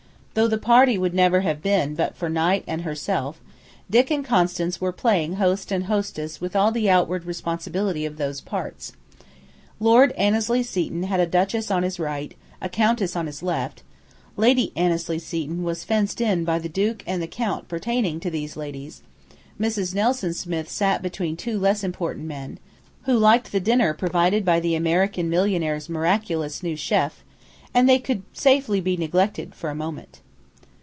Though the party would never have been but for Knight and herself, Dick and Constance were playing host and hostess with all the outward responsibility of those parts. Lord Annesley Seton had a duchess on his right, a countess on his left; Lady Annesley Seton was fenced in by the duke and the count pertaining to these ladies; Mrs. Nelson Smith sat between two less important men, who liked the dinner provided by the American millionaire's miraculous new chef, and they could safely be neglected for a moment.